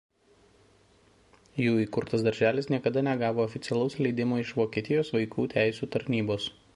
Jų įkurtas darželis niekada negavo oficialaus leidimo iš Vokietijos vaikų teisių tarnybos.